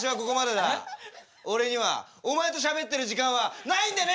俺にはお前としゃべってる時間はないんでね！